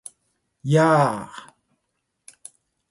やー！！！